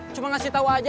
cuma ngasih tau aja